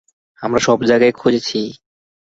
আমরা সব জায়গায় খুঁজেছি।